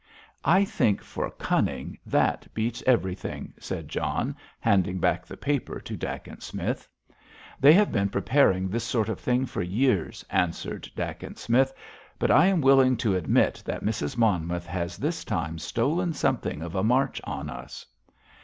"I think for cunning that beats everything," said John, handing back the paper to Dacent Smith. "They have been preparing this sort of thing for years," answered Dacent Smith. "But I am willing to admit that Mrs. Monmouth has this time stolen something of a march on us.